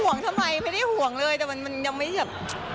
ห่วงทำไมไม่ได้ห่วงเลยแต่อย่างมันว่าไม่อยาก